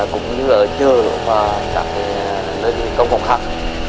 cũng như ở chợ và các nơi công cộng khác